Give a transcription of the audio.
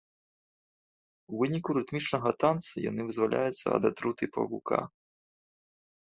У выніку рытмічнага танцы яны вызваляюцца ад атруты павука.